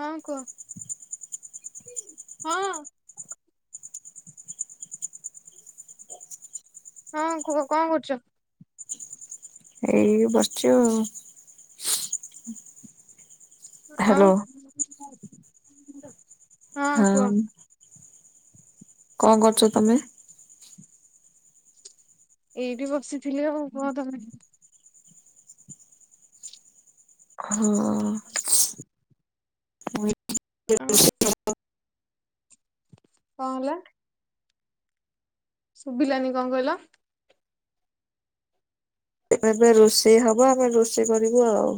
ହଁ କୁହ ହଁ। ହଁ କୁହ କଣ କରୁଛ? ଏଇ ବସିଛି ଆଉ। ଆଉ ହ୍ୟାଲୋ ହଁ କୁହ? କଣ କରୁଛ ତମେ? ଏଇ ବି ବସିଥିଲି ଆଉ ହ ତମେ ହଁ। ହ ଆଉ [unintelligible] କ ହେଲା? ଶୁଭିଲାନି କଣ କହିଲ? ଏ ବେ ଏବେ ରୋଷେଇ ହବ ଆମେ ରୋଷେଇ କରିବୁ ଆଉ।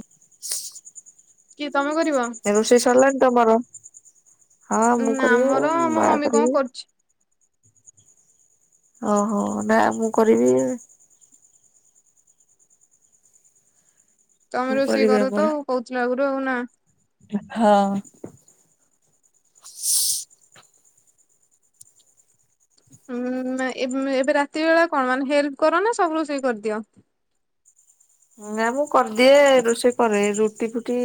କିଏ ତମେ କରିବ? ଏ ରୋଷେଇ ସରିଲାଣି ତମର? ହଁ ମୁଁ ନା କରିବି ଆମର ମୋ ମମି ମାଆ କଣ କରିବେ। କରୁଛି ଓହୋ ନା ମୁଁ କରିବି। ତମେ ମୁଁ ରୋଷେଇ କରିବି କର ଆମର ତ ଆଉ କହୁଥିଲ ଆଗରୁ ଆଉ ନା? ହଁ। ହୁଁ ଏବେ ରାତି ବେଳା କଣ ମାନେ ହେଲ୍ପ କର ନା ସବୁ ରୋଷେଇ କରିଦିଅ? ନା ମୁଁ କରିଦିଏ ରୋଷେଇ କରେ ରୁଟି ଫୁଟି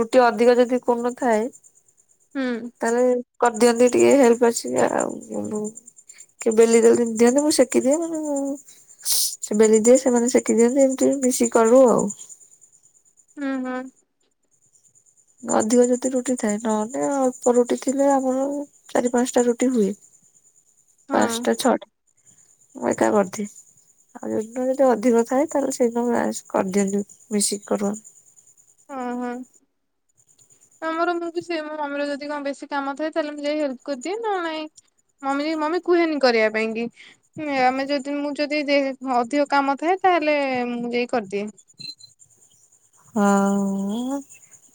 ରୁଟି ଅଧିକ ଯଦି କୋଉଦିନଥାଏ? ହୁଁ ତାଲେ କରିଦିଅନ୍ତି ଟିକେ ହେଲ୍ପ ଆସିକି ଆଉ କିନ୍ତୁ କିଏ ବେଲି ଦିଅନ୍ତି ମୁଁ ସେକି ଦିଏ, ସେ ବେଲି ଦିଏ ସେମାନେ ସେକି ଦିଅନ୍ତି ଆଉ। ତି ମିଶିକି କରୁ ଆଉ ହୁଁ ହଁ ଅଧିକ ଯଦି ରୁଟିଥାଏ ନହେଲେ ଅଳପ ରୁଟି ଥିଲେ ଆମର ଚାରି ପାଁସଟା ରୁଟି ହୁଏ ହଁ ପାଁସଟା ଛଅଟା ମୁଁ ଏକା କରିଦିଏ। ଆଉ ଯୋଉ ଦିନ ଯଦି ଅଧିକଥାଏ ତାହେଲେ ସେଇିଦିନ ଆସିକି କରିଦିଅନ୍ତି ମିଶିକି କରୁ ଆମେ। ହଁ ହଁ ଆମର ମୁଁବି ସେୟା ମୋ ମମିର ଯଦି କଣ ବେଶୀ କାମଥାଏ ତାହେଲେ ମୁଁ ଯାଇ ହେଲ୍ପ କରିଦିଏ ନହେନେ ନାଇଁ। ମମି ମମି କୁହେନି କରିବା ପାଇଁକି। ମେ ଆମେଯଦି ମୁଁ ଯଦି ଯେ ଅଧିକ କାମଥାଏ ତାହେଲେ ମୁଁ ଯାଇ କରିଦିଏ। ହଁ ଉୁଁ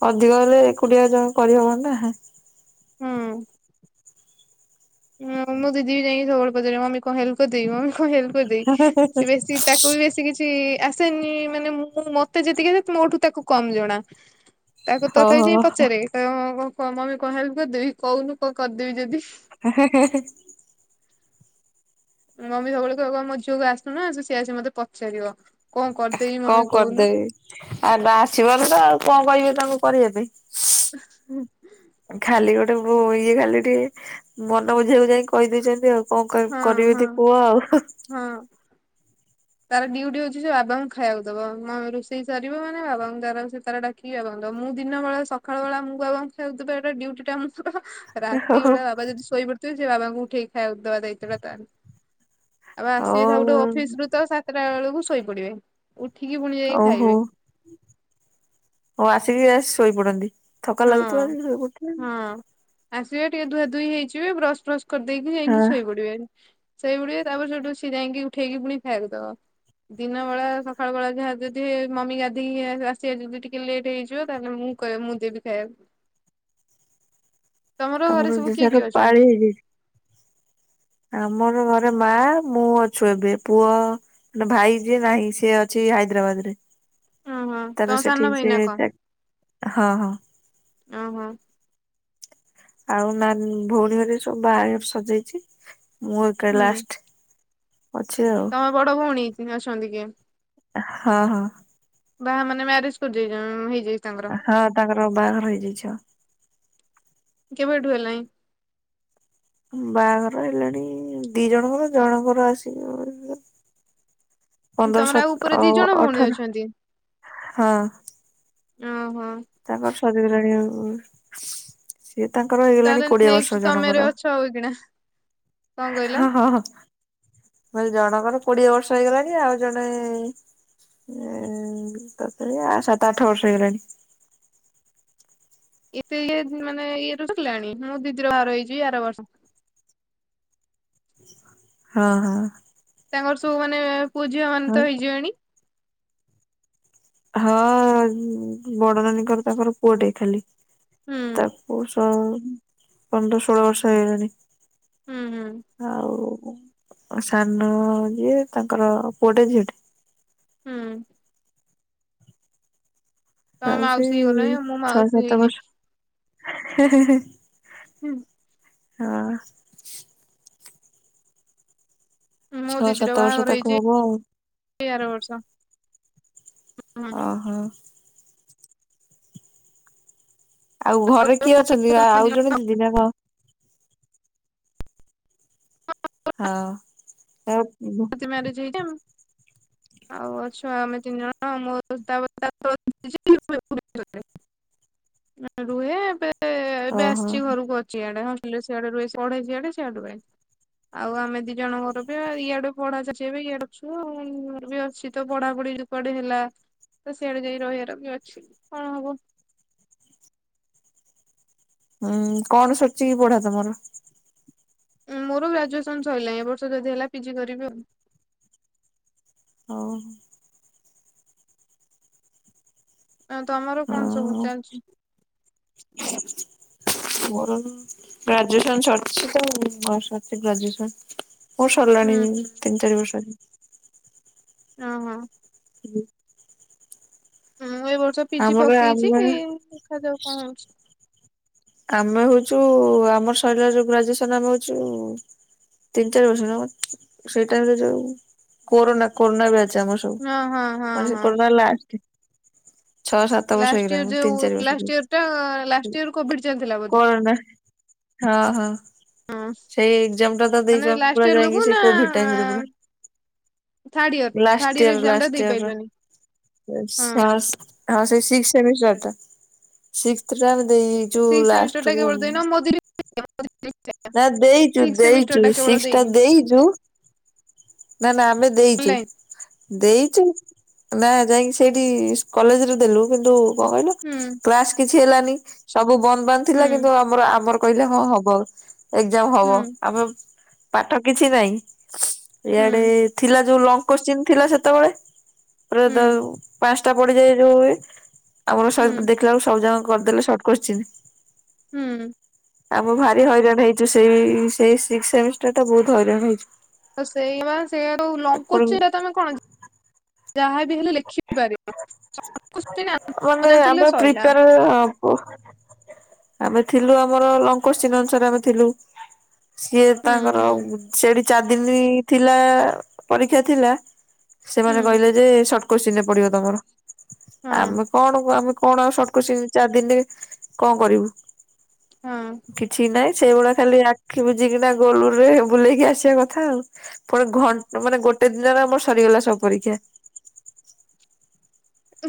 ଅଧିକ ହେଲେ ଏକୁଟିଆ ଜାଇକି କରିହବନା। ହୁଁ। ହଁ ମୋ ଦିଦିବି ଯାଇଁକି ସବୁବେଳେ ପଚାରିବ ମମି କଣ ହେଲ୍ପ କରିଦେବି ମମି କଣ ହେଲ୍ପ କରିଦେବି ସେ ବେଶୀ ତା ତାକୁ ବେଶୀ କିଛି ଆସେନି ମାନେ ମୁଁ ମତେ ଯେତିକିବି ମୋଠୁ ତାକୁ କମ ଜଣା। ତାକୁ ହଉ ତଥାପି ଯାଇ ହଉ ପଚାରେ କହିବ [unintelligible] ମମି କଣ ହେଲ୍ପ କରିଦେବି କହୁନୁ କଣ କରିଦେବି ଯଦି। ହା ହା ହେଁ ହେଁ ମମି ସବୁବେଳେ କହିବ କହିବ ମୋ ଝିଅକୁ ଆସୁନ ସେ ସିଏ ଆସିକି ମତେ ପଚାରିବ। କଣ କରିଦେବି କଣ ମମି କହୁନୁ କରିଦେବି ଆଗ ଆସିବନିତ ଆଉ କଣ କହିବି ତାଙ୍କୁ କରିବା ପାଇଁ? [unintelligible] ଖାଲି ଗୋଟେ ବୋ ଇଏ ଖାଲି ଟିକେ ମନ ବୁଝେୟାକୁ ଯାଇ କହିଦେଇଛନ୍ତି ଆଉ କଣ ହଁ କହିବି କରିବେ ହଁ ଯଦି କୁହ ଆଉ ହେଁ? ହଁ। ତାର ଡିଉଟି ହଉଛି ସେ ବାବାଙ୍କୁ ଖାୟାକୁ ଦବ ମମି ରୋଷେଇ ସାରିବ ମାନେ ବାବାଙ୍କୁ ତାର ସେ ତାର ଡାକ କିଏ ବାବାଙ୍କୁ ଦବ ମୁଁ ଦିନ ବେଳା ସକାଳ ବେଳା ମୁଁ ବାବା ଙ୍କୁ ଖୟାକୁ ଦବା ଟା ଡିଉଟିଟା ମୋର ରାତି ହଉ ବେଳା ବାବା ଯଦି ଶୋଇ ପାଡିଥିବେ ସେ ବାବାଙ୍କୁ ଉଠେଇକି ଖାଇବାକୁ ଦବା ଦାଇତ୍ଵଟା ତାର ବାବା ଆସିବେ ସବୁଟୁ ଅଫିସିରୁ ତ ସାତଟାବେଳକୁ ଶୋଇପଡିବେ। ଉଠିକି ଫୁଣି ଓହୋ ହଉ ଆସିକି ଶୋଇପଡନ୍ତି। ଥକା ଲାଗୁଥିବ ହଁ ଆସିକି ଶୋଇପଡୁଥିବେ। ହଁ। ଆସିବେ ଟିକେ ଧୂଆ ଧୂଇ ହେଇଯିବେ ବ୍ରସ ଫ୍ରସ କରିଦେଇକି ଯାଇକି ହଁ ଶୋଇ ପଡିବେ। ଶୋଇପଡିବେ ତାପରେ ସେଇଠୁ ସିଏ ଯାଇକି ଉଠେଇକି ପୁଣି ଖାଇବାକୁ ଦବ। ଦିନ ବେଳା ସକାଳ ବେଳା ଯାହା ଯଦି ମମି ଗାଧେଇିକି ଆସିବା ଯଦି ଟିକିଏ ଲେଟ ହେଇଯିବ ତାହେଲେ ମୁଁ କହିବେ ମୁଁ ଦେବି ଖାଇବାକୁ ତମର ଘରେ ସବୁ କିଏ କିଏ ଅଛନ୍ତି? ଦିଦି। ଆମର ଘରେ ମା ମୁଁ ଅଛୁଏବେ ପୁଅ ମାନେ ଭାଇ ଯିଏ ନାହିଁ ସେ ଅଛି ହାଇଦ୍ରାବାଦରେ। ହଁ ହଁ ତମ ତାର ସାନ ସେଠିକ ଭାଇ ନା ସିଏ କଣ? ଯାଏ ହଁ ହଁ। ଅଁ ହଁ ଆଉ ନାହିଁ ଭଉଣୀ ମାନେ ସବୁ ବାହାଘର ସରିଯାଇଛି ମୁଁ ଏକା ହୁଁ ଲାଷ୍ଟେ। ଅଛି ଆଉ ତମ ବଡ ଭଉଣୀ ଅଛନ୍ତି କିଏ? ହଁ ହଁ ବାହା ମାନେ ମ୍ୟାରେଜ କରି ଯାଇଛନ୍ତି ହେଇଯାଇଚି। ହଁ ତାଙ୍କର ବାହାଘର ହେଇଯାଇଛି ଆଉ କେବେଠୁ ହେଲାଣି? ବାହାଘର ହେଲାଣି ଦି ଜଣଙ୍କର ଜଣଙ୍କର ଆସି ତମର ଆଉ ଉପରେ ଦି ଜଣ ଭଉଣୀ ଅଠର ଅଛନ୍ତି? ହଁ ଓହୋ। ତାଙ୍କର ସରିଗଲାନି ଆଉ ସିଏ ତାଙ୍କର ହେଇଗଲାଣି ତାହେଲେ କୋଡିଏ ନେକ୍ସଟ ବର୍ଷ ତମେରେ ଜଣଙ୍କର ଅଛ ଆଉ ଏଇଖିଣା କଣ କହିଲ? ହଁ ହଁ। ମୁଁ କହିଲି ଜଣଙ୍କର କୋଡିଏ ବର୍ଷ ହେଇଗଲାଣି ଆଉ ଜଣେ ଆ ତଥାବି ସାତ ଆଠ ବର୍ଷ ହେଇଗଲାଣି। ଏତେ ଇଏ ମାନେ ଇଏ ର ସରିଲାଣି ମୁଁ ଦିଦିର ବାହାଘର ହେଇଛି ଆର ବର୍ଷ। [inaudible] ହଁ ହଁ। ତାଙ୍କର ସବୁ ମାନେ ପୂଅ ଝିଅ ମାନେ ହଁ। ତ ହେଇ ଯିବେଣି? ହଁ ବଡନାନୀଙ୍କର ତାଙ୍କର ପୁଅଟେ ଖାଲି, ହୁଁ ତା [unintelligible] ବର୍ଷ ପନ୍ଦର ଷୋଳ ବର୍ଷ ହେଇଗଲାଣି। ହୁଁ ହୁଁ। ଆଉ ସାନ ଯିଏ ତାଙ୍କର ପୁଅଟେ ଝିଅ। ହୁଁ। ତମେ ଆଉ ମାଉସୀ ସେଇ ହେଇଗଲଣି ମୁଁ ଛଅ ମାଉସୀ ସାତ ହେଇନି। ବର୍ଷ ହୁଁ। ହଁ। ମୋ ଛଅ ଦିଦିର ସାତ ବର୍ଷ ବାହାଘର ତାକୁ ହେଇଛି ହବ ଆଉ। ଏଇ ଆର ବର୍ଷ। ଓହୋ। ଆଉ ଘରେ କିଏ ଅଛନ୍ତି ଆଉ ଜଣେ ଦିଦି ନା କଣ? ହଁ ଆଉ ସିଏ ମ୍ୟାରେଜ ହେଇ [unintelligible] ଆଉ ଅଛୁ ଆମେ ତିନି ଜଣ ମୁଁ ତାପର [unintelligible] ରୁହେ ଏବେ ଏବେ ଓହୋ ଆସିଛି ଘରକୁ ଅଛି ଇଆଡେ। ସିଆଡେ ରୁହେ ପଢେ ସିଆଡେ ସିଆଡେ ରୁହେ ଆଉ ଆମେ ଦି ଜଣ ଘର ବି ଇଆଡେ ପଢା ଚାଲିଛି ଏବେ ଇଆଡେ ଅଛୁ ଆଉ ମୋର ବି ଅଛି ତ ପଢାପଢି ଯଦି କୁଆଡେ ହେଲା ତ ସିଆଡେ ଯାଇ ରହିବାର ବି ଅଛି କଣ ହବ? ହୁଁ କଣ ସରିଚିକି ପଢା ତମର? ଉ ମୋର ଗ୍ରାଜୁଏସନ ସରିଲା ଏ ବର୍ଷ ଯଦି ହେଲା ପି ଜି କରିବି ଆଉ। ହଉ। ତମର କଣ ସବୁ ହଁ ଚାଲିଛି? [inaudible] ମୋର ଗ୍ରାଜୁଏସନ ସରିଛି ତ ବସିଛି ଗ୍ରାଜୁଏସନ ମୋର ସରିଲାଣି ହୁଁ ହୁଁ ତିନି ଚାରି ବର୍ଷ ହଁ ହଁ। ହୁଁ। ହୁଁ ଏ ବର୍ଷ ପିଜି ଆମର ପକେଇଛି ଆମେ ଦେଖାଯାଉ କଣ ହଉଛି। ଆମେ ହଉଛୁ ଆମର ସରିଲା ଯୋଉ ଗ୍ରାଜୁଏସନ ଆମେ ହଉଛୁ ତିନି ଚାରି ବର୍ଷ ହବ ସେଇ ଟାଇମରେ ଯୋଉ କୋରୋନା କୋରୋନା ବ୍ୟାଚ ଆମର ହଁ ହଁ ହଁ ସବୁ। ବ ସେ ହଁ [unintelligible] ଲାଷ୍ଟ। ଛଅ ସାତ ବର୍ଷ ଲାଷ୍ଟ ହେଇଗଲାଣି ଇୟର ମୁଁ ଯୋଉ ତିନି ଚାରି ବର୍ଷ ଲାଷ୍ଟ ଇୟର ଟା ଲାଷ୍ଟ ଇୟର କୋଭିଡ ଚାଲିଥିବ। କୋରାନା ହଁ ହଁ। ହଁ ସେଇ ଏକ୍ଜାମ ଟା ତ ଦେଇ ମାନେ ଚନ୍ତି ଲାଷ୍ଟ ପୁରା ଇୟର ଯାଇକି ବେଳକୁ ସେ ନା କୋଭିଡ ଟାଇରେ ପୁଣି। Third year last third year ଷ୍ଟିୟର ଏକ୍ଜାମ ଟା ଲାଷ୍ଟ ଷ୍ଟିୟର ଦେଇପାରିଲନି। ହଁ ସାସ୍ ଆଉ ସେ ସିକ୍ସ ସେମିଷ୍ଟାରଟା ସିକ୍ସଥ ଟା ଆମେ ଦେଇଦେଇଚୁ ସିକ୍ସ ସେମିଷ୍ଟର ଟା ଲାଷ୍ଟକୁ କେବଳ ଦେଇନ ମୋ ଦି ନା ଦେଇଚୁ ସିକ୍ସ ସେମିଷ୍ଟର ଦେଇଚୁ ଟା କେବଳ ସିକ୍ସିଟା ଦେଇନି ଦେଇଚୁ। ନା ନା ଆମେ ଦେଇଚୁ। ଅନଲାଇନ ଦେଇଚୁ ନା ଯାଇକି ସେଇଠି କଲେଜରେ ଦେଲୁ କିନ୍ତୁ କଣ କହିଲୁ ହୁଁ। କ୍ଲାସ କିଛି ହେଲାନି। ସବୁ ବନ୍ଦ ବାନ୍ଦ ଥିଲା ହୁଁ କିନ୍ତୁ ଆମର ଆମର କହିଲେ ହଁ ହବ। ଏକ୍ଜାମ ହୁଁ ହବ। ଆମେ ପାଠ କିଛି ନାହିଁ। ହୁଁ ଇଆଡେ ଥିଲା ଯୋଉ ଲଙ୍ଗ କୋଶ୍ଚିନ ଥିଲା ସେତେବେଳେ ରେହଦୌ ହୁଁ ପାଞ୍ଚଟା ପଡିଯାଏ ଯୋଉ ଇଏ। ଆମର ହୁଁ ସାର ଦେଖିଲା ବେଳକୁ ସବୁ ଜାକ କରିଦେଲେ ସର୍ଟ କୋଶ୍ଚିନ। ହୁଁ। ଆମ ଭାରି ହଇରାଣ ହେଇଚୁ ସେଇ ସେଇ ସିକ୍ସ ସେମିଷ୍ଟାର ଟା ବହୁତ ହଇରାଣ ହେଇଚୁ। ତ ସେଇମା ସେଇ ଲଙ୍କ ପୁଣି କୋଶ୍ଚିନ୍ ତମେ କଣ ଯାହାବି ହେଲେ ଲେଖିବ। [unintelligible] ଜାଣିଥିଲେ ଶଇଲା। ଓ ଆମେ ଥିଲୁ ଆମର ଲଙ୍କ କୋଶ୍ଚିନ ଅନୁସାରେ ଆମେ ଥିଲୁ। ସିଏ ହୁଁ ତାଙ୍କର ହୁଁ ସେଠୀ ଚାରିଦିନି ଥିଲା ପରୀକ୍ଷା ଥିଲା ହୁଁ ସେମାନେ କହିଲେ ଯେ, ସଟକୋଶ୍ଚିନରେ ପଡିବ ତମର। ହଁ ଆମେ କଣ କ ଆମେ କଣ ଆଉ ସଟକୋଶ୍ଚିନ ଚାରି ଦିନିରେ କଣ କରିବୁ। ହଁ। କିଛି ନାଇଁ ସେଇଭଳିଆ ଖାଲି ଆଖି ବୁଜି କିନା ଗୋଲୁଗୁରେ ବୁଲେଇକି ଆସିବା କଥା ଆଉ। ପୁଣି ଘଣ୍ଟ ମାନେ ଗୋଟେ ଦିନରେ ଆମର ସରିଗଲା ସବୁ ପରୀକ୍ଷା।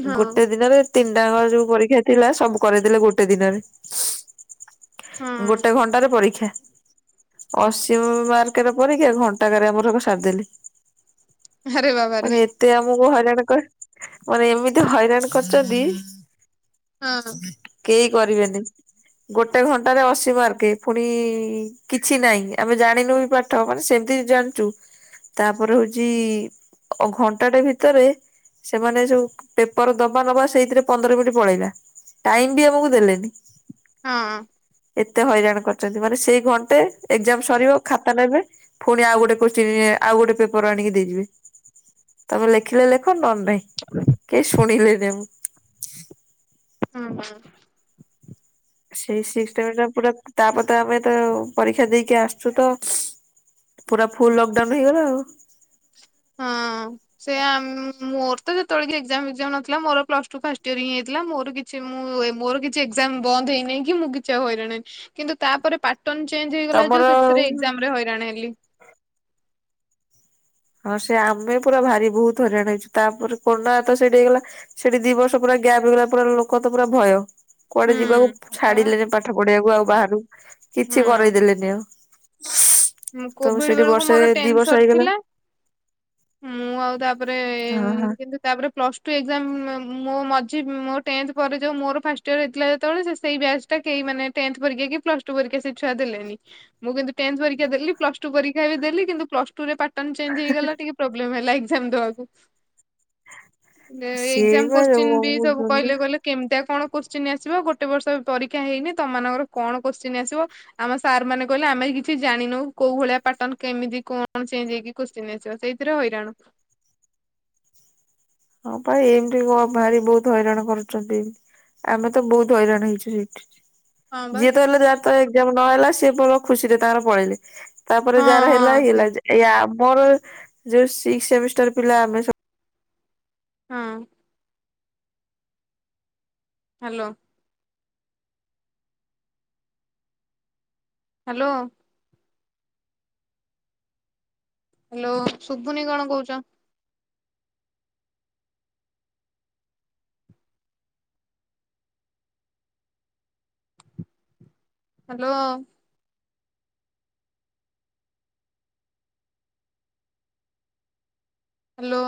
ହଁ। ଗୋଟେ ଦିନରେ ତିନିଟାଙ୍କର ଯୋଉ ପରୀକ୍ଷା ଥିଲା ସବୁ କରେଇଦେଲେ ଗୋଟେ ଦିନରେ। ହଁ ଗୋଟେ ଘଣ୍ଟାରେ ପରୀକ୍ଷା। ଅଶି ମାର୍କର ପରୀକ୍ଷା ଘଣ୍ଟାକରେ ଆମର ସାରିଦେଲି। ଆରେ ବାବାରେ। ତେ ଆମକୁ ହଇରାଣ କରି ମାନେ ଏମିତି ହଇରାଣ କରିଛନ୍ତି ହଁ କେହି କରିବେନି। ଗୋଟେ ଘଣ୍ଟାରେ ଅଶି ମାର୍କେ ପୁଣି କିଛି ନାହିଁ। ଆମେ ଜାଣିନୁ ବି ପା ତା ମାନେ ସେମତି ଜାଣିଚୁ। ତାପରେ ହଉଚି ଘଣ୍ଟାଟେ ଭିତରେ ସେମାନେ ଯୋଉ ପେପର ଦବା ନବା ସେଇଥିରେ ପନ୍ଦର ମିନିଟ ପଳେଇଲା। ଟାଇମ ବି ଆମକୁ ଦେଲେନି। ହଁ। ଏତେ ହଇରାଣ କରିଛନ୍ତି। ମାନେ ସେଇ ଘଣ୍ଟେ ଏକ୍ଜାମ ସରିବ ଖାତା ନେବେ ପୁଣି ଆଉ ଗୋଟେ କୋଶ୍ଚିନ ଆଉ ଗୋଟେ ପେପର ଆଣିକି ଦେଇଯିବେ। ତମେ ଲେଖିଲେ ଲେ ନହେଲେ ନେଇ କେଇ ଶୁଣିଲେ ନାଇ ହୁଁ ହୁଁ। ସେଇ ସିକ୍ସଟେମିଟା ପୁରା ତାପରେ ତ ଆମେ ତ ପରୀକ୍ଷା ଦେଇକି ଆସଛୁ ତ। ପୁରା ଫୁଲ୍ ଲକଡାଉନ ହେଇଗଲା ଆଉ। ହଁ। ସେ ଆ ମୋର ତ ଯେତେବେଳେ କି ଏକ୍ଜାମ ଫେକ୍ଜାମ ନଥିଲା ମୋର ପ୍ଲସଟୁ ଫାଷ୍ଟ ଇୟର ହିଁ ହେଇଥିଲା ମୋର କି ସେ ମୁଁ ମୋର କିଛି ଏଗଯାମ ବନ୍ଦ ହେଇନେଇ କି ମୁଁ କିଛି ଆଉ ହଇରାଣ ହେ କିନ୍ତୁ ତାପରେ ପା ର୍ଟନ ଚେଞ୍ଜ ହେଇଗଲା ଯଉ ସେଥିରେ ତମର ଏକ୍ଜାମରେ ହଇରାଣ ହେଲି। ହଁ ସେ ଆମେ ପୁରା ଭାରି ବହୁତୁ ହଇରାଣ ହେଇଛୁ। ତାପରେ କରୁନା ତ ସେଇଠି ହେଇଗଲା। ସେଠି ଦି ବର୍ଷ ପୁରା ଗ୍ୟାପ ଗଲା ପୁରା ଲୋକ ତ ପୁରା ଭୟ। କୁଆଡେ ଯିବାକୁ ହୁଁ ସେଇଆ ଛାଡିଲେନି ପାଠ ପଢିବାକୁ ଆଉ ବାହାରକୁ ବା କିଛି କରେଇଦେଲେନି ଆଉ। [unintelligible] ହୁଁ କୋଭିଡ଼ ସେଠି ବେଳକୁ ବର୍ଷେ ମୋର ଦି ଟେନ୍ ବର୍ଷ ହେଇଗଲା ସରଥିଲା। ମୁଁ ଆଉ ତାପରେ ଏ ହଁ ଏ ହଁ କିନ୍ତୁ ତାପରେ ପ୍ଲସ୍ ଟୁ ଏକ୍ଜାମ ମ ମୋ ମଝି ମୋ ଟେନ୍ଥ ପରେ ଯୋଉ ମୋର ଫାଷ୍ଟ ଇୟର ହେଇଥିଲା ଯେତବଳେ ସେ ସେଇ ବ୍ୟାଚ୍ ଟା କେଇ ମାନେ ଟେନ୍ଥ ପରୀକ୍ଷା କି ପ୍ଲସ୍ ଟୁ ପରାକ୍ଷା ସେ ଛୁଆ ଦେଲେନି ମୁଁ କିନ୍ତୁ ଟେନ୍ଥ ପରି କ୍ଷା ଦେଲି ପ୍ଲସ୍ ଟୁ ପରୀକ୍ଷା ବି ଦେଲି କିନ୍ତୁ ପ୍ଲସ୍ ଟୁରେ ପାଟନ ଚେଞ୍ଜେ ହେଇଗଲା ଟିକେ ପ୍ରୋବ୍ଲେମ ହେଲା ଏଗ୍ଜାମ୍ ଦବାକୁ। ଲେ ସିଏ ଏଗଜାମ୍ ବା କୋଶ୍ଚିନ୍ ବି ସବୁ କହିଲେ କହିଲେ କେମିତିଆ କଣ କୋଶ୍ଚିନ୍ ଆସିବ ଗୋଟେ ବର୍ଷ ପରୀକ୍ଷା ହେଇନି ତମ ମାନଙ୍କର କଣ କୋଶ୍ଚିନ୍ ଆସିବ ଆମ ସାର୍ ମାନେ କହିଲେ ଆମେ କିଛି ଜାଣିନୁ କୋଉ ଭଳିଆ ପାଟନ୍ କେମିତି କଣ ଚେଞ୍ଜ ହେଇକି କୋଶ୍ଚିିନି ଆସିବ ସେଇଥିରେ ହଇରାଣ। ହଁ ପା ଏମିତି କଣ ଭାରି ବହୁତୁ ହଇରାଣ କରୁଚନ୍ତି ଏମତି। ଆମେ ତ ବହୁତ ହଇରାଣ ହେଇଚୁ ହେଇଥିରେ। ହଁ ବା। ଯିଏ ତ ହେଲା ଯାରତ ଏଗଜାମ୍ ନହେଲା ସିଏ ପଳଉ ଖୁସିରେ ତାର ପଳେଇଲେ। ତାପରେ ହଁ ଯାହାର ହେଲା ହଁ ହି ସେ ହେଲା ଏ ଆମର ଯୋଉ ସିକ୍ଶ ସେମିଷ୍ଟାର ପିଲା ଆମେ ସବୁ ହଁ। ହାଲୋ। ହାଲୋ। ହାଲୋ ଶୁବୁନି କଣ କହୁଚ? ହାଲୋ। ହାଲୋ।